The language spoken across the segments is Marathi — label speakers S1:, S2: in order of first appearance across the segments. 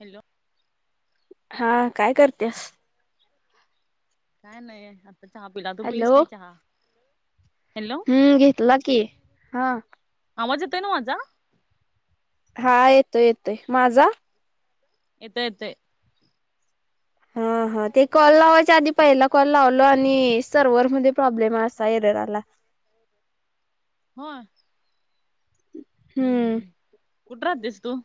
S1: हॅलो!
S2: हा काय करतेस?
S1: काय नाही, आता चहा पिला तु पिलीस
S2: हॅलो
S1: काय चहा? हॅलो
S2: हम्म, घेतलं की हा.
S1: आवाज येतोय ना माझा?
S2: हा, येतोय येतोय, माझा?
S1: येत येतय.
S2: हा हा, ते कॉल लावायच्या आधी पहिला, कॉल लावा लो आणि सर्व्हर मध्ये प्रॉब्लेम आहे असा ऐरर आला
S1: हो
S2: हम्म
S1: हम्मम्, कुठे राहतेस तू?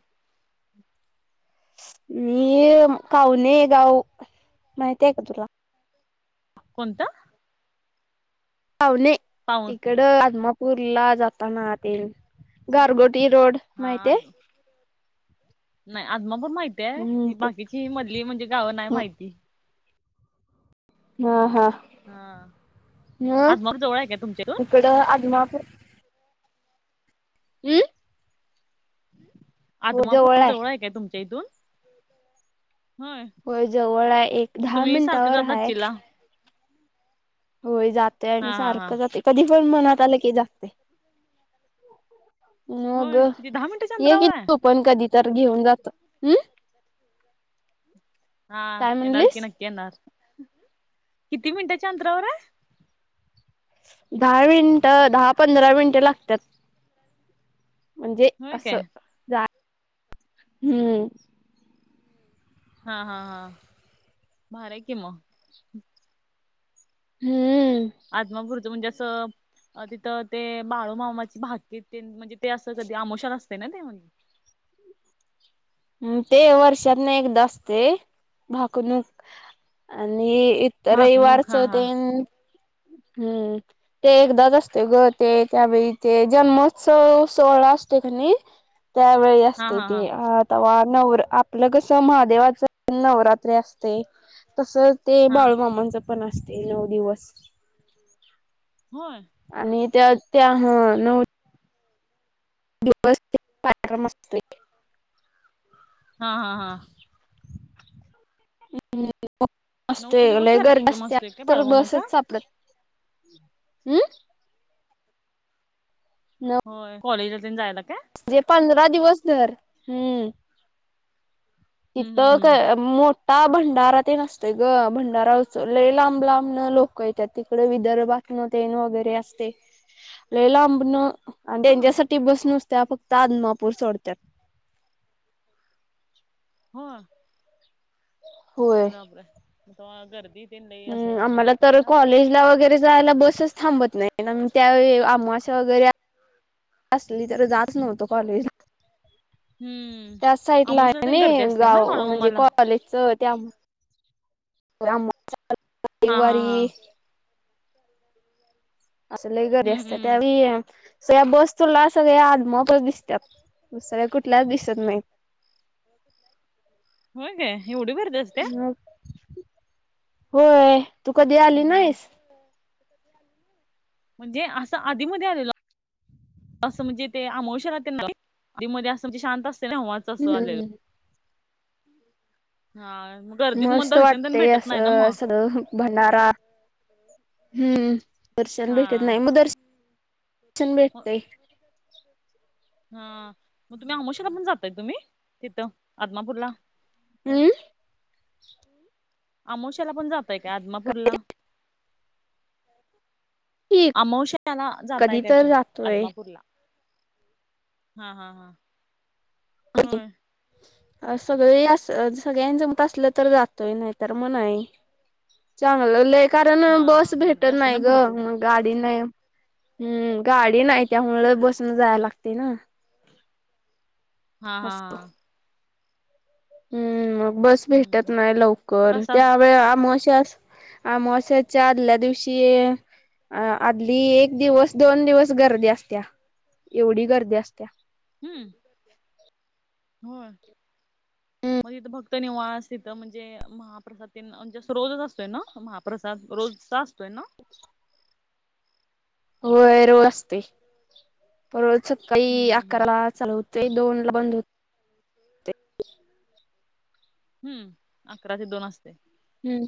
S2: मी काऊणे गाव, माहती आहे का तुला?
S1: कोणत?
S2: काऊणे
S1: पाऊन
S2: इकड आदमापूरला जाताना ते गारगोटी रोड
S1: हा
S2: माहितीय?
S1: आद, नाही आदमापुर माहिती त्या
S2: हम्म
S1: ही
S2: ते
S1: बाकीची मधली म्हणजे गावं नाही माहिती.
S2: हा, हा.
S1: हा, आदमापु जवळ आहे का तुमच्या तून?
S2: [unintelligible] ड अदमापु हम्.
S1: आदमापूर जवळ आहे काय तुमच्या इथून?
S2: होय जवळ आहे, एक
S1: मग
S2: दहा
S1: तुम्ही सारखं
S2: मिनटावर
S1: जात
S2: हाय.
S1: असचीला
S2: होय, जातय
S1: हा
S2: आम्ही
S1: हा हा
S2: सारखं जाते कधी पण मनात आलं की जाते. मग
S1: होय किती दहा मिनिटाच्या
S2: ये
S1: अंतरावर
S2: क
S1: आहे
S2: तू, पण कधी तर घेऊन जात हम्.
S1: हा
S2: काय
S1: येणार कि
S2: म्हणलीस
S1: नक्की येणार. किती मिनिटाच्या अंतरावर आहे?
S2: दहा मिनिटं, दहा-पंधरा मिनिटं लागतात. म्हणजे,
S1: होय काय
S2: असं जा [inaudible] हम्म.
S1: हा हा, हा, भारी आहे कि मग.
S2: हम्म.
S1: आदमापुरच म्हणजे असं अ तिथं ते बाळू मामाची भाकीत तेन म्हणजे ते असं कधी आमोषा असते ना ते म्हणजे.
S2: हम् ते वर्षात न एकदा असते भाकणूक आणि तर
S1: भाकणूक हा
S2: रविवारचं
S1: हा
S2: तेन, हम्म. ते एकदाच असते ग ते त्यावेळी ते जन्मोत्सव सोहळा असतो कनी. त्यावेळी
S1: हा
S2: असते
S1: हा हा
S2: ते आता नवर आपलं कस महादेवाच नवरात्री अस तस ते
S1: हा
S2: बाळूमामांच पण असतय नऊ दिवस.
S1: होय
S2: आणि त्यात त्या हां नऊ दिवस ते पराक्रम असतोय.
S1: हां हां हां
S2: हम्म [unintelligible] असते
S1: नऊ दिवस
S2: लय गर्दी
S1: कार्यक्रम
S2: असते.
S1: असतोय काय
S2: तर
S1: बाळूमामाचा
S2: बसच सापडत नाही. हम्म
S1: होय कॉलेजला तेन जायला काय?
S2: जे पंधरा दिवस. हम्म
S1: हम्म
S2: तिथ
S1: हम्म
S2: कर [unintelligible] मोठा भंडारा तेन असतोय ग, भंडारा लय लांब लांब न लोक येत्यात तिकड विदर्भात. न तेन वगैरे असते. लय लांबण आणि
S1: हा
S2: त्यांच्यासाठी बस नसत्या फक्त आदमापूर सोडत्यात.
S1: होय
S2: होय
S1: अरे बापरे त्याच्यामुळे गर्दी तेन लई
S2: हम्म
S1: असं हे
S2: आम्हाला
S1: असणार
S2: तर
S1: ना असं
S2: कॉलेज ला वगैरे जायला बसच थांबत नाही त्या वेळी अमावस्या वगैरे असली तर जात नव्हतो कॉलेजला.
S1: हम्म
S2: त्याच साइडला
S1: आमोशाला
S2: आहे
S1: तेन गर्दी
S2: नी
S1: असते ना
S2: गाव म्हणजे
S1: बाळूमामाला
S2: कॉलेजच त्या आमवस्या,
S1: हा हा
S2: रविवारी.
S1: हा
S2: अस लय गर्दी
S1: हम्म
S2: असते,
S1: हम्म
S2: त्यावेळी बस तुला सगळ्या आदमापुर दिसतात. दुसऱ्या कुठल्याच दिसत नाही.
S1: होय काय ऐवढी गर्दी असते.
S2: मग होय तू कधी आली
S1: हम्म
S2: नाहीस?
S1: म्हणजे अस आधी मध्ये आलेलो. अस म्हणजे ते अमावस्या ला तेन नाही आधी मध्ये अस म्हणजे शांत असते ना तेव्हा. तस आलोय
S2: हम्म
S1: हां मग. गर्दीत मग
S2: मस्त
S1: दर्शन तेन
S2: वाटतय
S1: भेटत
S2: अस
S1: नाही
S2: सगळ भंडारा हम्म दर्शन भेटत
S1: हा.
S2: नाही, मग दर्शन शन भेटतय.
S1: हां मग तुम्ही अमोशेला पण जातय तुम्ही तिथ आदमापूरला.
S2: हम्म
S1: आमोशाला पण जाताय काय आदमापूरला?
S2: ठीक
S1: अमावश्याला जाताय
S2: कधी
S1: काय
S2: तर
S1: तुम्ही
S2: जातोय.
S1: आदमापूरला? हां हां हां होय
S2: सगळे अस सगळ्यांना जमत असल तर जातोय नाही तर मग नाही. चांगल लय कारण
S1: हा हा
S2: बस
S1: गर्दी
S2: भेटत
S1: असते ना
S2: नाही ग
S1: भरपूर
S2: मग. गाडी नाही हम्म गाडी नाही त्यामुळ बसन जायला लागतय ना.
S1: हां हां हां
S2: हम्म मग बस भेटत
S1: हम्म
S2: नाही लवकर
S1: प्रसाद
S2: त्या वेळी आमवस्या अस आमवशाच्या आदल्या दिवशी. अ आधली एक दिवस दोन दिवस गर्दी असत्या एवढी गर्दी असत्या.
S1: हम्म होय मग इथ भक निवास तिथ म्हणजे महा प्रसाद तेन म्हणजे अस रोजच असतोय ना महाप्रसाद रोजचा असतोय ना?
S2: होय रोज असतय रोज सकाळी
S1: हम्म हम्म हम्म
S2: अकराला चालू होतय. ते दोनला बंद होतय.
S1: हम्म अकरा ते दोन असतय.
S2: हम्म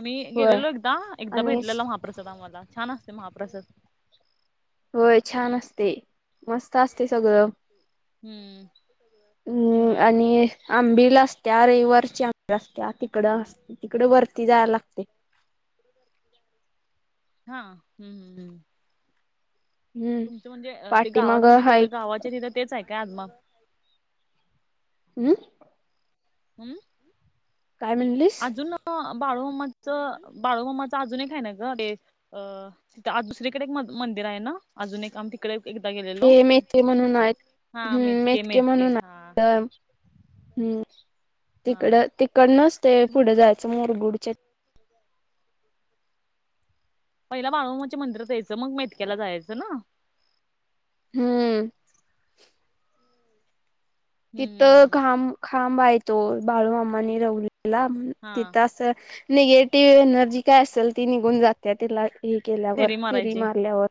S1: आम्ही
S2: होय
S1: गेलेलो एकदा, एकदा
S2: आणि
S1: भेटलेला महाप्रसाद आम्हाला छान असतोय महाप्रसाद.
S2: होय छान असते, मस्त असते सगळ.
S1: हम्म
S2: हम्म
S1: होय
S2: आणि आंबील असत्या, रविवारची आंबील असत्या. तिकड तिकड वरती जायला लागतय.
S1: हां हम्म हम्म हम्म
S2: हम्म
S1: तुमच म्हणजे ते
S2: पाठी
S1: गावात
S2: मग
S1: म्हणजे ते
S2: हाय
S1: आता गावाच्या तिथ तेच आहे काय आदमा
S2: हम्म
S1: हम्म
S2: काय म्हणलीस
S1: अजून बाळू मम्माच बाळू मम्माच अजून एक आहे ना ग ते अ तिथ आत दुसरीकड एक मंदिर आहे ना? अजून एक आम्ही तिकडे एकदा गेलेलो.
S2: मेतके म्हणून आहेत हम्म मेतके म्हणून आहेत तर हम्म
S1: हा
S2: तिकड
S1: हा
S2: तिकडनच ते
S1: ती पण
S2: पुढे जायच मोरगुडच्या.
S1: पहिल बाळूमामाच्या मंदिरात यायच. मग मेटक्याला जायच ना.
S2: हम्म तिथ
S1: हम्म
S2: खांब खांब आहे तो बाळू मामांनी रवलेला
S1: हा
S2: तिथ अस निगेटिव्ह एनर्जी काय असेल ती निघून जात्या तिला हे केल्यावर फेरी मारल्यावर.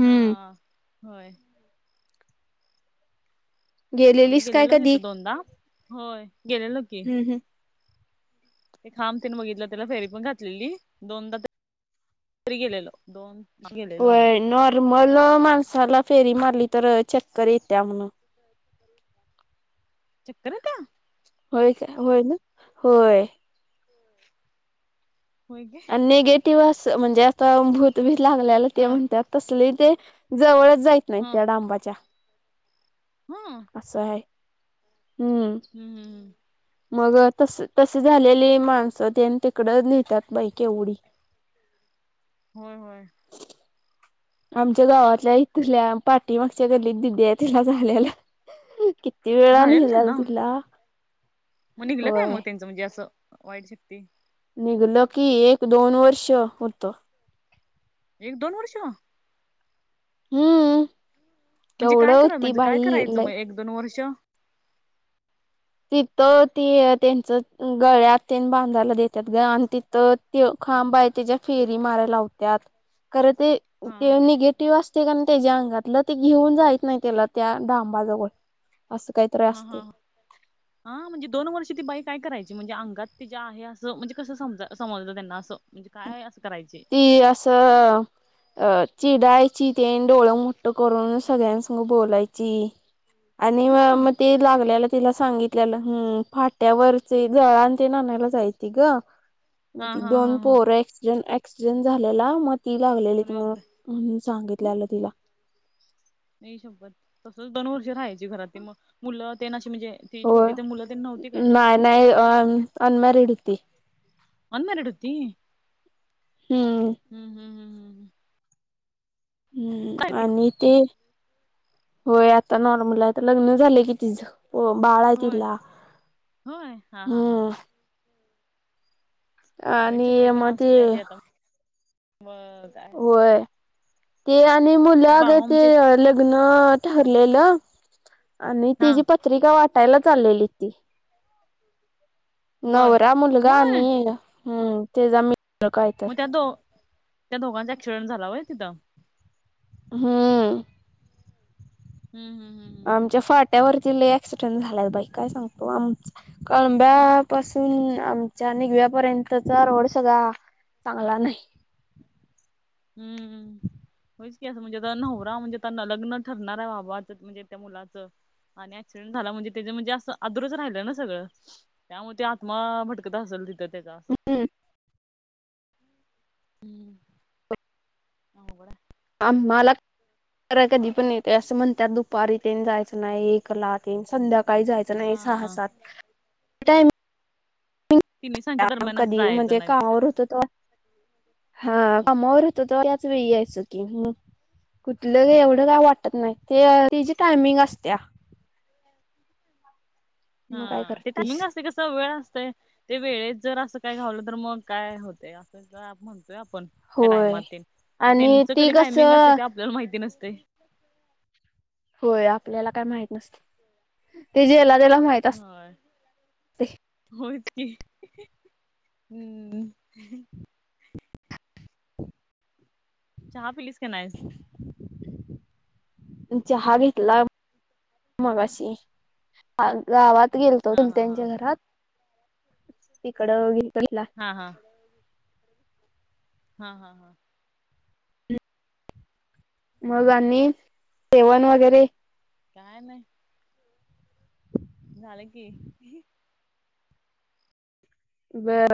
S1: हा होय आम्ही
S2: गेलेलीस काय
S1: गेलेलो
S2: कधी
S1: तिथ दोनदा होय गेलेलो की.
S2: हम्म हम्म
S1: ते खांब तेन बघितल त्याला फेरी पण घातलेली दोनदा तरी गेलेलो. दोन गेलेलो आम्ही
S2: होय नॉर्मल माणसाला फेरी मारली तर चक्कर येत्या म्हणून.
S1: चक्कर येत्या?
S2: होय का होय ना होय.
S1: होय गे
S2: आणि निगेटिव्ह अस म्हणजे आता भूत बीत लागलेल ते
S1: हा
S2: म्हणत्यात. तसले ते जवळच जाईत नाहीत
S1: हा हा
S2: त्या डांबाच्या.
S1: हम्म
S2: अस हाय हम्म.
S1: हम्म हम्म हम
S2: मग तस तस झालेली माणस तेन तिकड नेतात बाई केवढी.
S1: होय होय
S2: आमच्या गावातल्या इथल्या पाठी मागच्या गल्लीत दिदी आहे तिला झालेल.
S1: झालेल त्यांना! मग निघल काय
S2: होय
S1: मग त्यांच म्हणजे अस वाईट शक्ती.
S2: निघल की एक दोन वर्ष होत.
S1: एक दोन वर्ष?
S2: हम्म
S1: म्हणजे काय
S2: केवढं
S1: करा
S2: होती
S1: म्हणजे काय
S2: बाई
S1: करायच
S2: लय
S1: मग एक दोन वर्ष.
S2: तिथ ते त्यांच गळ्यात तेन बांधायला देतात ग, आणि तिथ तो खांबा आहे त्याच्या फेरी मारायला लावत्यात. खर ते ते
S1: हा
S2: निगे निगेटिव्ह असतय कनय त्याच्या अंगातल ते घेऊन जाईत नाही त्याला त्या डांबाजवळ. अस काय तर.
S1: हां हां हा म्हणजे दोन वर्ष ती बाई काय करायची म्हणजे अंगात तिज्या आहे अस म्हणजे कस समज समजल त्यांना अस?
S2: ती अस अ चिडायची तेन. डोळ मोठ करून सगळ्यांसंग बोलायची. आणि म
S1: हा हा
S2: मग ते लागलेल तिला सांगित आपल्याला हम्म फाट्यावरचे जळांन तेन आणायला जायची ग
S1: हा
S2: मग त
S1: हा
S2: दोन
S1: हा
S2: ॲक्सिडेंट ॲक्सिडेंट झालेला मग ती लागलेली
S1: अरे
S2: मग
S1: बापरे
S2: म्हणून
S1: हं,
S2: सांगितलेल तिला.
S1: आई शप्पत तसच दोनवर्ष राहायची घरात ती मग मुल तेन आशी म्हणजे ती
S2: हो
S1: छोटी ते मुलं ते नव्हती काय
S2: नाही नाही अन अनमॅरिड होती.
S1: अनमॅरीड होती. हम्म हम्म हम्म हम्म हम्.
S2: हम्म
S1: ती?
S2: आणि ते होय आता नॉर्मल आहे तर लग्न झालय कि तिच. हो बाळ आहे
S1: होय
S2: तीला
S1: होय हा हा हा
S2: हम्म.
S1: वाईट शक्ती
S2: आणि
S1: पण
S2: मग ते
S1: असते ती आता मग.
S2: होय ते आणि मुल
S1: तर
S2: आग ते
S1: बाळमामाचे आहेत.
S2: लग्न ठरलेल आणि
S1: हा
S2: तिची पत्रिका वाटायला चाललेली ती.
S1: बर
S2: नवरा मुलगा
S1: होय
S2: आणि हम्म त्याचा मी
S1: मग त्या दो त्या दोघांचा ॲक्सिडेंट झाला होय तिथ?
S2: हम्म
S1: हम् हम्म, हम्म
S2: आमच्या फाट्यावरती लय ॲक्सिडेंट झालाय बाई काय सांगतो आमच. कळंब्या पासून आमच्या निघव्या पर्यंतचा रोड सगळा चांगला नाही.
S1: हम्म हम्म. होच की अस म्हणजे आता नवरा म्हणजे लग्न ठरणार आहे बाबा म्हणजे त्या मुलाच. आणि ऍक्सिडेंट झाला म्हणजे त्याच म्हणजे असं अदुरच राहिल ना सगळ. त्यामुळ ती आत्मा भटकत असेल तिथ त्याज अस
S2: हम्म,
S1: हम्म अवघड हाय.
S2: आम्हाला य कधी पण येते अस म्हणतात दुपारी तेन जायच नाही एकला तेन संध्याका काही जायच नाही सहा
S1: हा
S2: सात [unintelligible]
S1: तिन्ही सांच्या दरम्यान असं
S2: कधी
S1: जायचं
S2: म्हणजे
S1: नाही ते
S2: कामावर होतो तवा हां कमावर होतो तेव्हा त्याच वेळी यायचो की. कुठल एवढ काय वाटत नाही ते तिची टायमिंग असत्या. मग काय
S1: हां ते
S2: करतीस
S1: टामिंग अस कस वेळ असतय ते वेळेत जर अस काय घावल तर मग काय होतय अस. म्हणतोय आपण त्या
S2: होय
S1: टायमात ते
S2: आणि
S1: त्यांच
S2: ती
S1: कधी टायमिंग असते
S2: कसं
S1: ते आपल्याला माहिती नसतय.
S2: होय आपल्याला काय माहित नसत. ते जाला त्याला माहिती.
S1: होय. होयच की हम्म, चहा पिलीस का नाय?
S2: चहा घेतला मगाशी. गावात गेलतो
S1: हा हा
S2: चूलत्यांच्या घरात तिकड [unintelligible]
S1: हां हां. हा हा हा.
S2: मग आणि जेवण वगैरे
S1: काय नाही. झाल की
S2: बर.